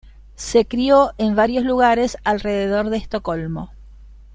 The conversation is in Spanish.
Se crio en varios lugares alrededor de Estocolmo.